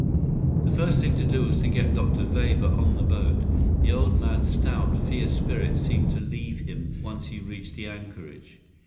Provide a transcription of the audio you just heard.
The first thing to do was to get Dr. Weber on the boat. The old man's stout, fierce spirit seemed to leave him once he reached the anchorage.